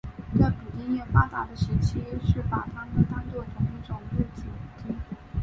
在捕鲸业发达的时期是把它们当成同一种露脊鲸。